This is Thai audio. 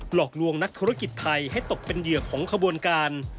หลอกลวงนักธุรกิจไทยให้ตกเป็นเหยื่อของขบวนการ